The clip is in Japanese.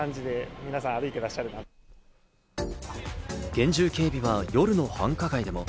厳重警備は夜の繁華街でも。